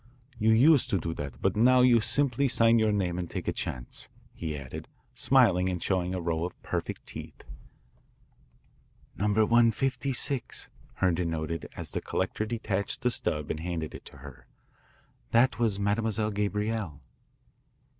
"You used to do that, but now you simply sign your name and take a chance," he added, smiling and showing a row of perfect teeth. "Number 156," Herndon noted as the collector detached the stub and handed it to her. "That was Mademoiselle Gabrielle."